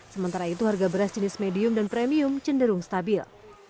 sementara itu harga beras jenis medium dan premium cenderung stabil